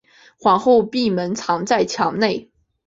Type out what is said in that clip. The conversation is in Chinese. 皇后闭门藏在墙内。